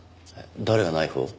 誰がナイフを？